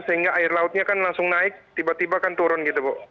sehingga air lautnya kan langsung naik tiba tiba kan turun gitu bu